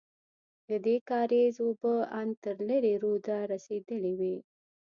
ددې کارېز اوبه ان تر لېرې روده رسېدلې وې.